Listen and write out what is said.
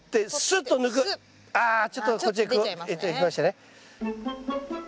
あちょっとこっちへいっちゃいましたね。